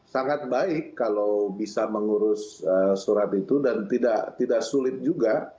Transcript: sangat baik kalau bisa mengurus surat itu dan tidak sulit juga